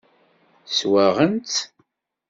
Swaɣen-tt.